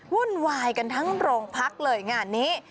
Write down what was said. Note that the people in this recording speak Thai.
วุ่นวายกันทั้งโรงพักเลยงานนี้